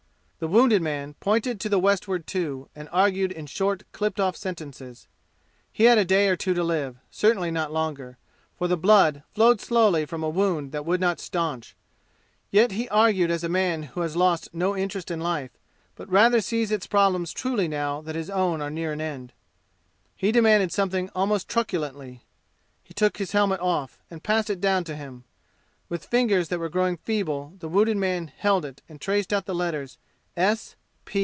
The wounded man pointed to the westward too and argued in short clipped off sentences. He had a day or two to live certainly not longer, for the blood flowed slowly from a wound that would not stanch; yet he argued as a man who has lost no interest in life, but rather sees its problems truly now that his own are near an end. He demanded something almost truculently. He took his helmet off and passed it down to him. With fingers that were growing feeble the wounded man held it and traced out the letters S.